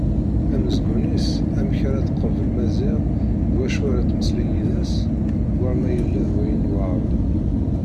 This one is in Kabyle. Anezgum-is amek ara tqabel Maziɣ d wacu ara temmeslay yid-s war ma yella-d wayen yuɛren.